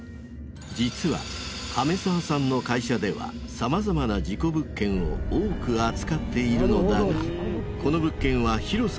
実は亀澤さんの会社ではさまざまな事故物件を多く扱っているのだがこの物件は広さ